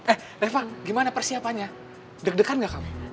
eh reva gimana persiapannya deg degan gak kamu